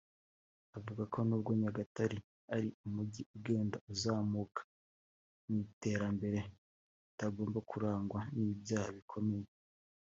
Avuga ko nubwo Nyagatare ari umujyi ugenda uzamuka mu iterambere utagomba kurangwa n’ibyaha bikomeye